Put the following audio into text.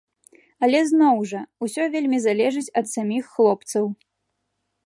Але зноў жа, усё вельмі залежыць ад саміх хлопцаў.